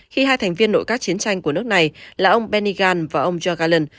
khi hai thành viên nội các chiến tranh của nước này là ông benny gantz và ông joe gallin